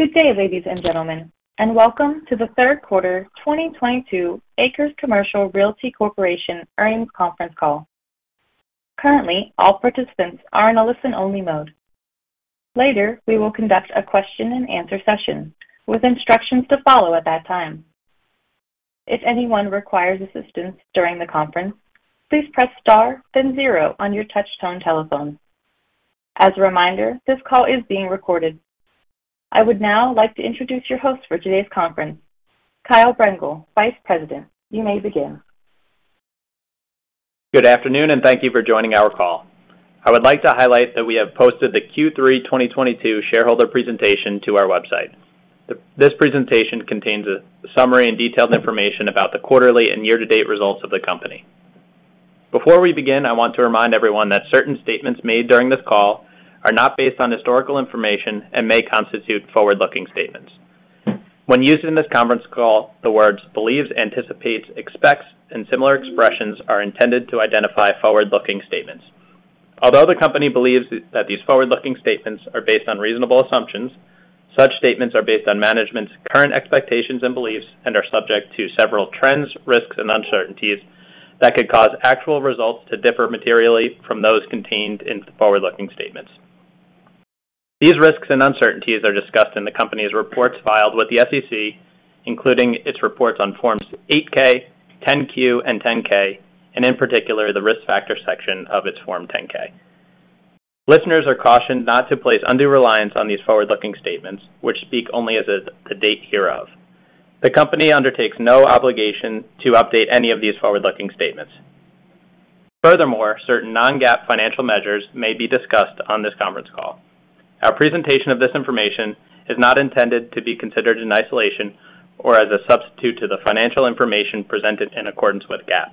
Good day, ladies and gentlemen, and welcome to The Third Quarter 2022 ACRES Commercial Realty Corp. Earnings Conference Call. Currently, all participants are in a listen-only mode. Later, we will conduct a question-and-answer session with instructions to follow at that time. If anyone requires assistance during the conference, please press Star, then zero on your touch-tone telephone. As a reminder, this call is being recorded. I would now like to introduce your host for today's conference, Kyle Brengel, Vice President. You may begin. Good afternoon, and thank you for joining our call. I would like to highlight that we have posted the Q3 2022 shareholder presentation to our website. This presentation contains a summary and detailed information about the quarterly and year-to-date results of the company. Before we begin, I want to remind everyone that certain statements made during this call are not based on historical information and may constitute forward-looking statements. When used in this conference call, the words believes, anticipates, expects, and similar expressions are intended to identify forward-looking statements. Although the company believes that these forward-looking statements are based on reasonable assumptions, such statements are based on management's current expectations and beliefs and are subject to several trends, risks, and uncertainties that could cause actual results to differ materially from those contained in forward-looking statements. These risks and uncertainties are discussed in the company's reports filed with the SEC, including its reports on Forms 8-K, 10-Q, and 10-K, and in particular, the Risk Factors section of its Form 10-K. Listeners are cautioned not to place undue reliance on these forward-looking statements, which speak only as of the date hereof. The company undertakes no obligation to update any of these forward-looking statements. Furthermore, certain non-GAAP financial measures may be discussed on this conference call. Our presentation of this information is not intended to be considered in isolation or as a substitute to the financial information presented in accordance with GAAP.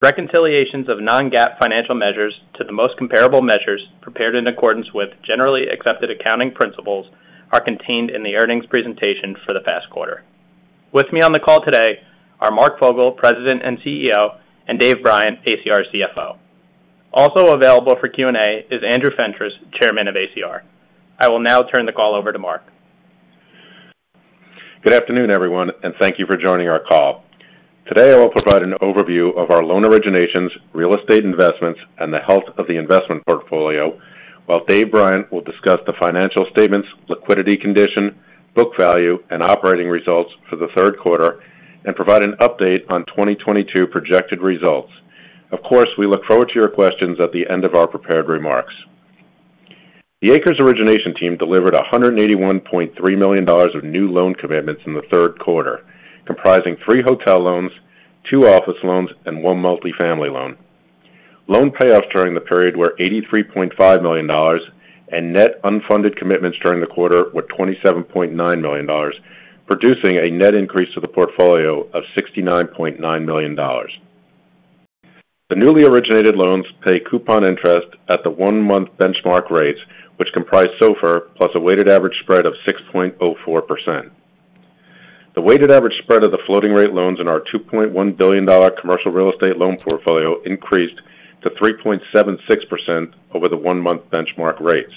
Reconciliations of non-GAAP financial measures to the most comparable measures prepared in accordance with generally accepted accounting principles are contained in the earnings presentation for the past quarter. With me on the call today are Mark Fogel, President and CEO, and Dave Bryant, ACR CFO. Also available for Q&A is Andrew Fentress, Chairman of ACR. I will now turn the call over to Mark. Good afternoon, everyone, and thank you for joining our call. Today, I will provide an overview of our loan originations, real estate investments, and the health of the investment portfolio, while Dave Bryant will discuss the financial statements, liquidity condition, book value, and operating results for the third quarter and provide an update on 2022 projected results. Of course, we look forward to your questions at the end of our prepared remarks. The ACRES origination team delivered $181.3 million of new loan commitments in the third quarter, comprising three hotel loans, two office loans, and one multi-family loan. Loan payoffs during the period were $83.5 million, and net unfunded commitments during the quarter were $27.9 million, producing a net increase to the portfolio of $69.9 million. The newly originated loans pay coupon interest at the one-month benchmark rates, which comprise SOFR plus a weighted average spread of 6.04%. The weighted average spread of the floating rate loans in our $2.1 billion commercial real estate loan portfolio increased to 3.76% over the one-month benchmark rates.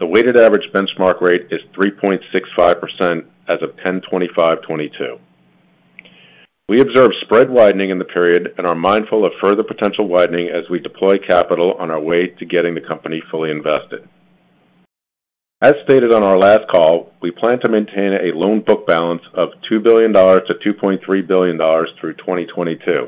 The weighted average benchmark rate is 3.65% as of 10/25/2022. We observed spread widening in the period and are mindful of further potential widening as we deploy capital on our way to getting the company fully invested. As stated on our last call, we plan to maintain a loan book balance of $2 billion-$2.3 billion through 2022.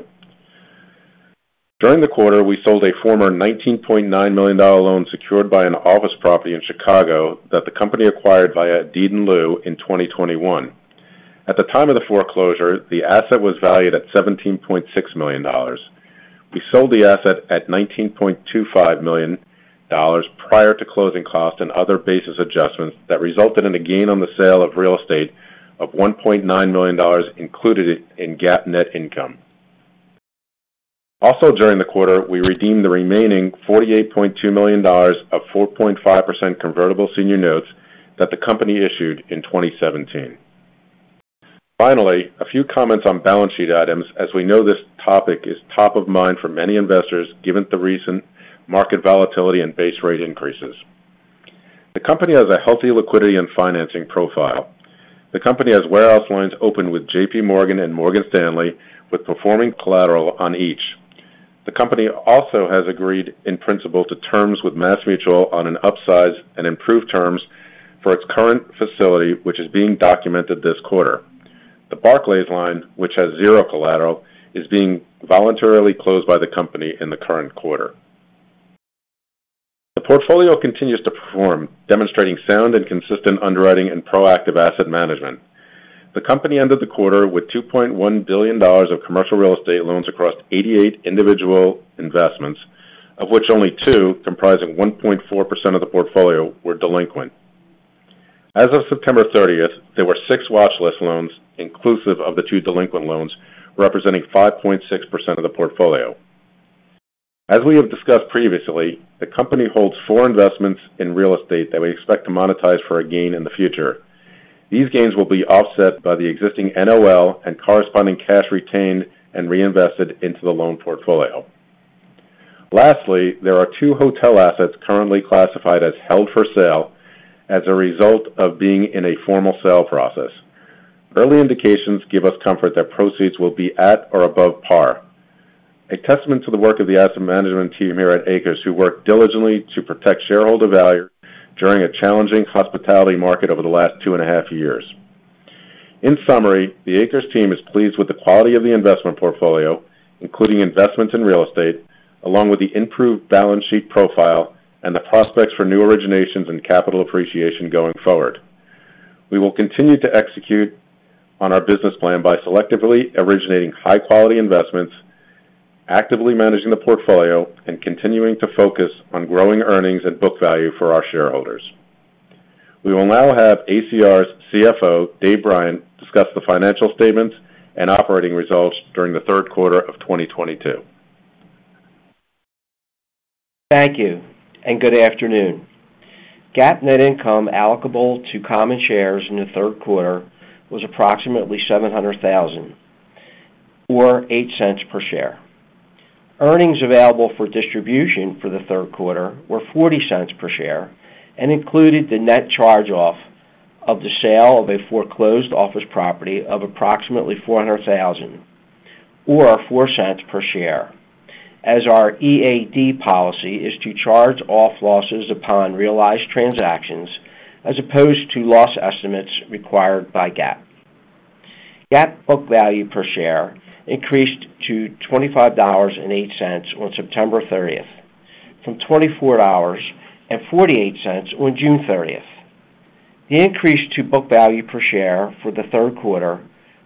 During the quarter, we sold a former $19.9 million loan secured by an office property in Chicago that the company acquired via deed in lieu in 2021. At the time of the foreclosure, the asset was valued at $17.6 million. We sold the asset at $19.25 million prior to closing costs and other basis adjustments that resulted in a gain on the sale of real estate of $1.9 million included in GAAP net income. Also during the quarter, we redeemed the remaining $48.2 million of 4.5% convertible senior notes that the company issued in 2017. Finally, a few comments on balance sheet items, as we know this topic is top of mind for many investors given the recent market volatility and base rate increases. The company has a healthy liquidity and financing profile. The company has warehouse lines open with JPMorgan and Morgan Stanley with performing collateral on each. The company also has agreed in principle to terms with MassMutual on an upsize and improved terms for its current facility, which is being documented this quarter. The Barclays line, which has zero collateral, is being voluntarily closed by the company in the current quarter. The portfolio continues to perform, demonstrating sound and consistent underwriting and proactive asset management. The company ended the quarter with $2.1 billion of commercial real estate loans across 88 individual investments, of which only two, comprising 1.4% of the portfolio, were delinquent. As of September 30, there were six watchlist loans inclusive of the two delinquent loans, representing 5.6% of the portfolio. As we have discussed previously, the company holds four investments in real estate that we expect to monetize for a gain in the future. These gains will be offset by the existing NOL and corresponding cash retained and reinvested into the loan portfolio. Lastly, there are two hotel assets currently classified as held for sale as a result of being in a formal sale process. Early indications give us comfort that proceeds will be at or above par. A testament to the work of the asset management team here at ACRES, who work diligently to protect shareholder value during a challenging hospitality market over the last two and a half years. In summary, the ACRES team is pleased with the quality of the investment portfolio, including investments in real estate, along with the improved balance sheet profile and the prospects for new originations and capital appreciation going forward. We will continue to execute on our business plan by selectively originating high quality investments, actively managing the portfolio, and continuing to focus on growing earnings and book value for our shareholders. We will now have ACR's CFO, Dave Bryant, discuss the financial statements and operating results during the third quarter of 2022. Thank you and good afternoon. GAAP net income applicable to common shares in the third quarter was approximately $700 thousand or $0.08 per share. Earnings available for distribution for the third quarter were $0.40 per share and included the net charge off of the sale of a foreclosed office property of approximately $400 thousand or $0.04 per share. As our EAD policy is to charge off losses upon realized transactions as opposed to loss estimates required by GAAP. GAAP book value per share increased to $25.08 on September thirtieth from $24.48 on June thirtieth. The increase to book value per share for the third quarter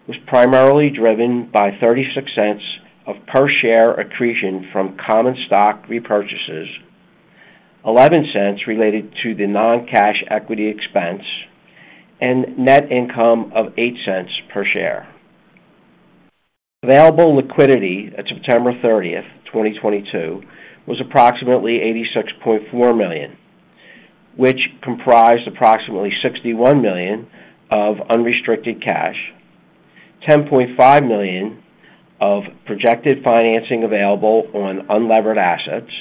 was primarily driven by $0.36 of per share accretion from common stock repurchases, $0.11 related to the non-cash equity expense, and net income of $0.08 per share. Available liquidity at September 30, 2022 was approximately $86.4 million, which comprised approximately $61 million of unrestricted cash, $10.5 million of projected financing available on unlevered assets,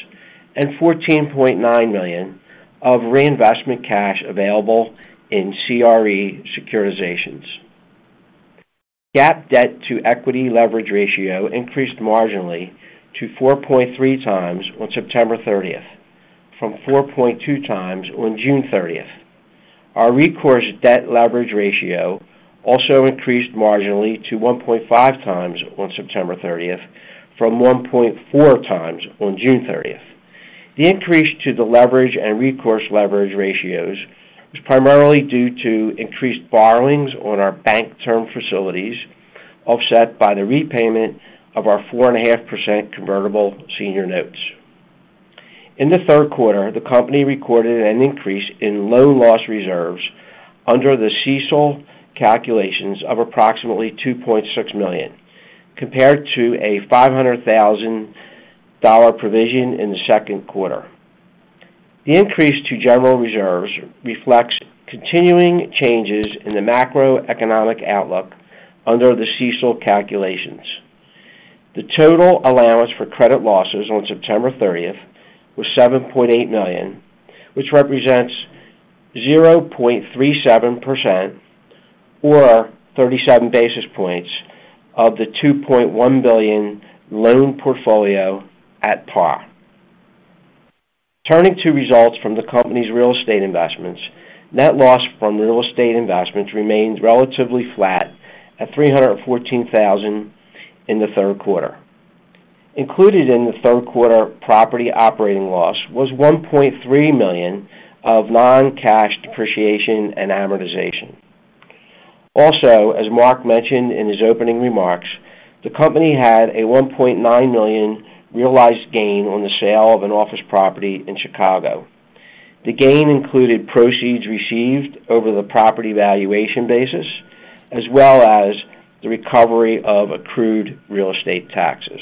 and $14.9 million of reinvestment cash available in CRE securitizations. GAAP debt to equity leverage ratio increased marginally to 4.3x on September 30 from 4.2x on June 30. Our recourse debt leverage ratio also increased marginally to 1.5x on September 30 from 1.4x on June 30. The increase to the leverage and recourse leverage ratios was primarily due to increased borrowings on our bank term facilities, offset by the repayment of our 4.5% convertible senior notes. In the third quarter, the company recorded an increase in loan loss reserves under the CECL calculations of approximately $2.6 million, compared to a $500,000 provision in the second quarter. The increase to general reserves reflects continuing changes in the macroeconomic outlook under the CECL calculations. The total allowance for credit losses on September 30 was $7.8 million, which represents 0.37% or 37 basis points of the $2.1 billion loan portfolio at par. Turning to results from the company's real estate investments. Net loss from real estate investments remained relatively flat at $314,000 in the third quarter. Included in the third quarter property operating loss was $1.3 million of non-cash depreciation and amortization. As Mark mentioned in his opening remarks, the company had a $1.9 million realized gain on the sale of an office property in Chicago. The gain included proceeds received over the property valuation basis, as well as the recovery of accrued real estate taxes.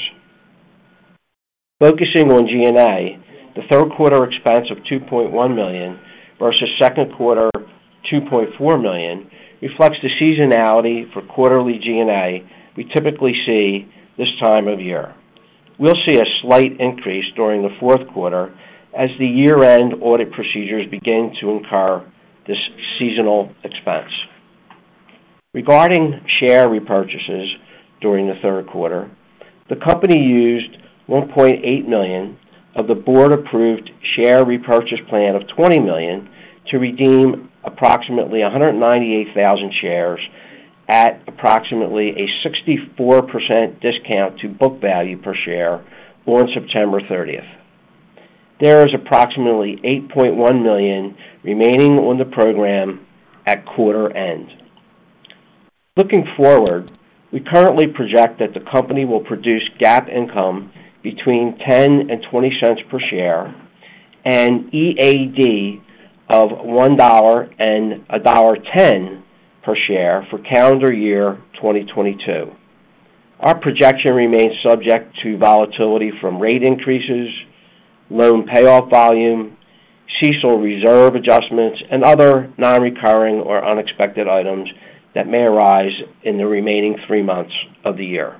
Focusing on G&A, the third quarter expense of $2.1 million versus second quarter $2.4 million reflects the seasonality for quarterly G&A we typically see this time of year. We'll see a slight increase during the fourth quarter as the year-end audit procedures begin to incur this seasonal expense. Regarding share repurchases during the third quarter, the company used $1.8 million of the board-approved share repurchase plan of $20 million to redeem approximately 198,000 shares at approximately a 64% discount to book value per share on September thirtieth. There is approximately $8.1 million remaining on the program at quarter end. Looking forward, we currently project that the company will produce GAAP income between 10 and 20 cents per share and EAD of $1-$1.10 per share for calendar year 2022. Our projection remains subject to volatility from rate increases, loan payoff volume, CECL reserve adjustments and other non-recurring or unexpected items that may arise in the remaining three months of the year.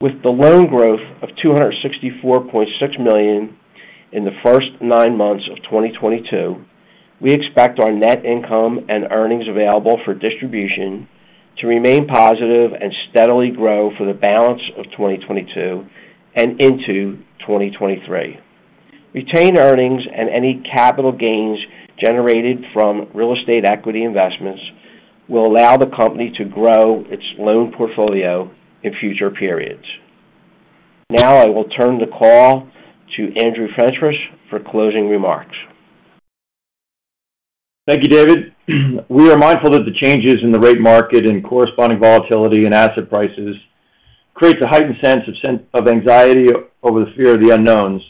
With the loan growth of $264.6 million in the first nine months of 2022, we expect our net income and earnings available for distribution to remain positive and steadily grow for the balance of 2022 and into 2023. Retained earnings and any capital gains generated from real estate equity investments will allow the company to grow its loan portfolio in future periods. Now I will turn the call to Andrew Fentress for closing remarks. Thank you, David. We are mindful that the changes in the rate market and corresponding volatility in asset prices creates a heightened sense of anxiety over the fear of the unknowns.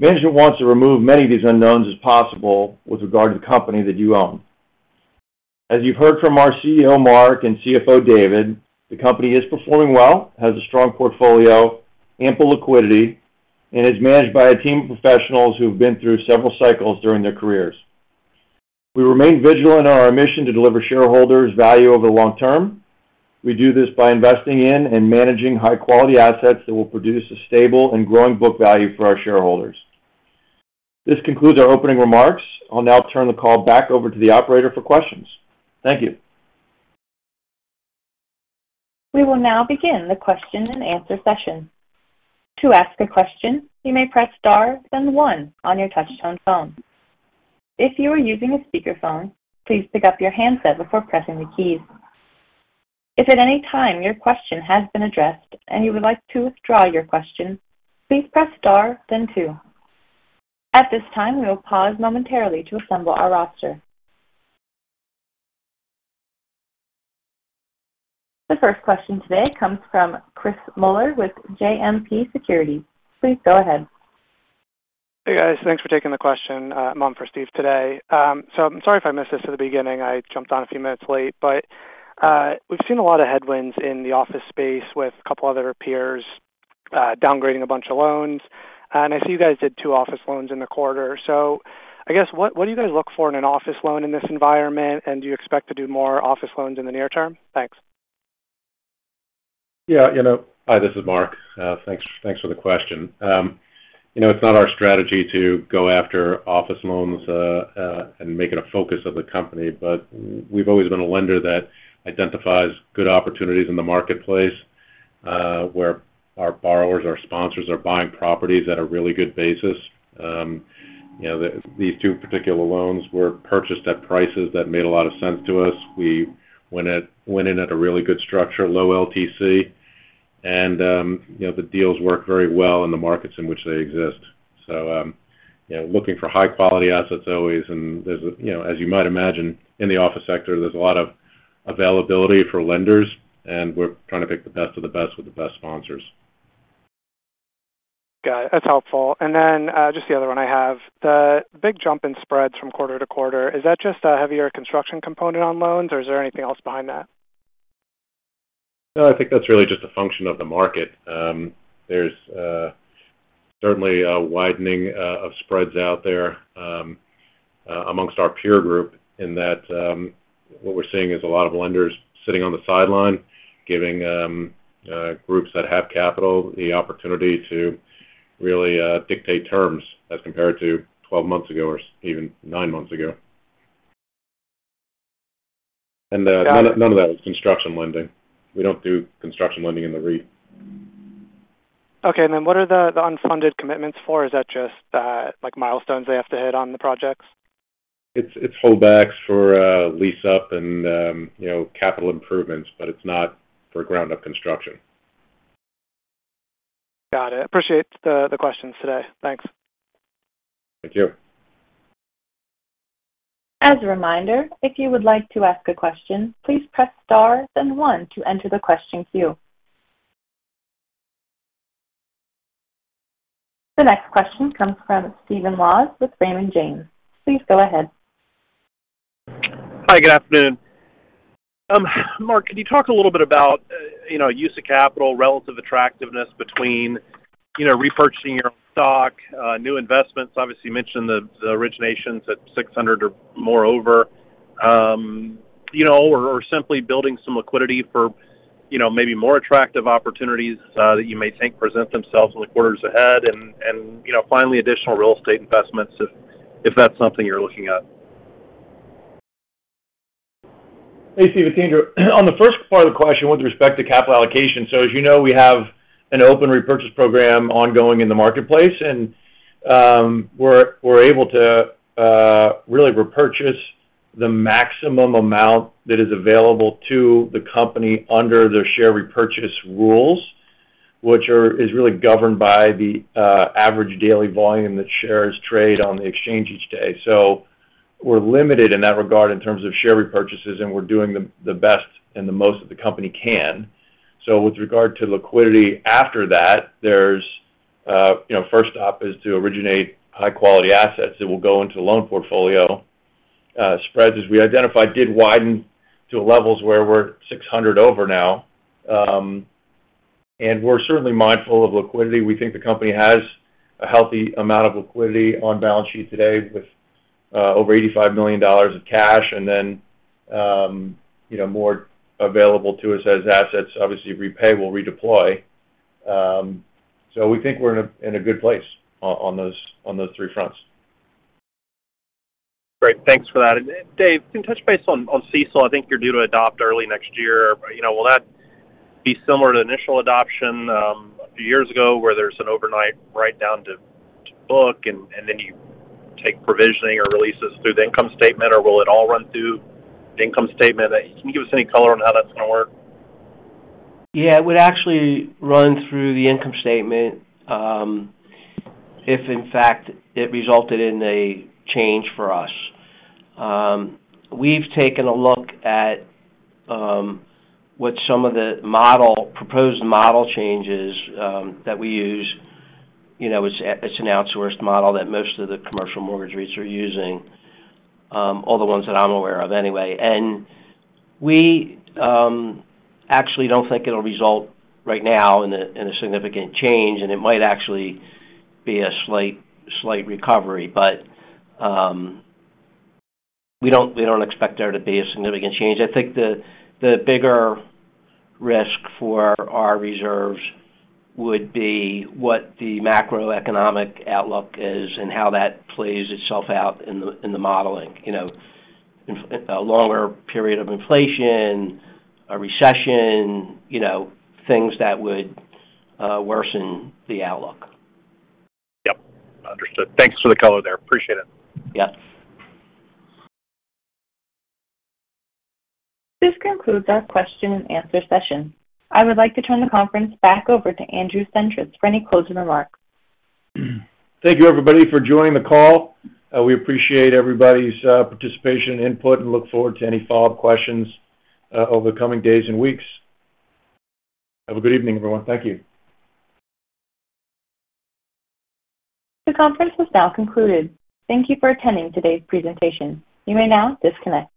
Management wants to remove many of these unknowns as possible with regard to the company that you own. As you've heard from our CEO, Mark, and CFO, David, the company is performing well, has a strong portfolio, ample liquidity, and is managed by a team of professionals who've been through several cycles during their careers. We remain vigilant in our mission to deliver shareholders value over the long term. We do this by investing in and managing high-quality assets that will produce a stable and growing book value for our shareholders. This concludes our opening remarks. I'll now turn the call back over to the operator for questions. Thank you. We will now begin the question-and-answer session. To ask a question, you may press star then one on your touchtone phone. If you are using a speakerphone, please pick up your handset before pressing the keys. If at any time your question has been addressed and you would like to withdraw your question, please press star then two. At this time, we will pause momentarily to assemble our roster. The first question today comes from Christopher Muller with JMP Securities. Please go ahead. Hey, guys. Thanks for taking the question, one for Steve today. I'm sorry if I missed this at the beginning. I jumped on a few minutes late. We've seen a lot of headwinds in the office space with a couple other peers downgrading a bunch of loans. I see you guys did 2 office loans in the quarter. I guess, what do you guys look for in an office loan in this environment? Do you expect to do more office loans in the near term? Thanks. Yeah. You know, Hi, this is Mark. Thanks for the question. You know, it's not our strategy to go after office loans and make it a focus of the company. We've always been a lender that identifies good opportunities in the marketplace, where our borrowers, our sponsors are buying properties at a really good basis. You know, these two particular loans were purchased at prices that made a lot of sense to us. We went in at a really good structure, low LTC. You know, the deals work very well in the markets in which they exist. You know, looking for high quality assets always. There's, you know, as you might imagine, in the office sector, there's a lot of availability for lenders, and we're trying to pick the best of the best with the best sponsors. Got it. That's helpful. Just the other one I have. The big jump in spreads from quarter to quarter, is that just a heavier construction component on loans, or is there anything else behind that? No, I think that's really just a function of the market. There's certainly a widening of spreads out there among our peer group in that what we're seeing is a lot of lenders sitting on the sidelines, giving groups that have capital the opportunity to really dictate terms as compared to 12 months ago or even 9 months ago. None of that was construction lending. We don't do construction lending in the REIT. Okay. What are the unfunded commitments for? Is that just that, like, milestones they have to hit on the projects? It's holdbacks for lease-up and, you know, capital improvements, but it's not for ground-up construction. Got it. Appreciate the questions today. Thanks. Thank you. As a reminder, if you would like to ask a question, please press star then one to enter the question queue. The next question comes from Stephen Laws with Raymond James. Please go ahead. Hi, good afternoon. Mark, can you talk a little bit about, you know, use of capital, relative attractiveness between, you know, repurchasing your stock, new investments, obviously you mentioned the originations at $600 or more, or simply building some liquidity for, you know, maybe more attractive opportunities, that you may think present themselves in the quarters ahead and you know, finally additional real estate investments if that's something you're looking at? Hey, Steve. It's Andrew. On the first part of the question with respect to capital allocation, as you know, we have an open repurchase program ongoing in the marketplace, and we're able to really repurchase the maximum amount that is available to the company under the share repurchase rules, which is really governed by the average daily volume that shares trade on the exchange each day. We're limited in that regard in terms of share repurchases, and we're doing the best and the most that the company can. With regard to liquidity after that, there's you know, first up is to originate high quality assets that will go into the loan portfolio. Spreads, as we identified, did widen to levels where we're 600 over now. We're certainly mindful of liquidity. We think the company has a healthy amount of liquidity on balance sheet today with over $85 million of cash, and then you know, more available to us as assets. Obviously, we'll repay and redeploy. We think we're in a good place on those three fronts. Great. Thanks for that. Dave, can you touch base on CECL? I think you're due to adopt early next year. You know, will that be similar to initial adoption a few years ago, where there's an overnight write-down to book and then you take provisioning or releases through the income statement? Will it all run through the income statement? Can you give us any color on how that's gonna work? Yeah. It would actually run through the income statement, if in fact it resulted in a change for us. We've taken a look at what some of the proposed model changes that we use. You know, it's an outsourced model that most of the commercial mortgage REITs are using, all the ones that I'm aware of anyway. We actually don't think it'll result right now in a significant change, and it might actually be a slight recovery. We don't expect there to be a significant change. I think the bigger risk for our reserves would be what the macroeconomic outlook is and how that plays itself out in the modeling. You know, in a longer period of inflation, a recession, you know, things that would worsen the outlook. Yep. Understood. Thanks for the color there. Appreciate it. Yep. This concludes our question-and-answer session. I would like to turn the conference back over to Andrew Fentress for any closing remarks. Thank you, everybody, for joining the call. We appreciate everybody's participation and input and look forward to any follow-up questions over the coming days and weeks. Have a good evening, everyone. Thank you. The conference has now concluded. Thank you for attending today's presentation. You may now disconnect.